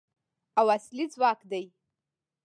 او اصلي ځواک دی.